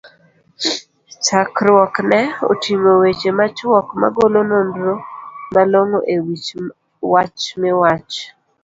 chakruokne oting'o weche machuok, magolo nonro malongo e wich wach miwach?